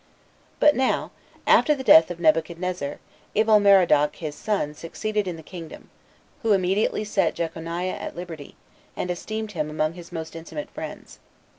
2. But now, after the death of Nebuchadnezzar, Evil Merodach his son succeeded in the kingdom, who immediately set Jeconiah at liberty, and esteemed him among his most intimate friends.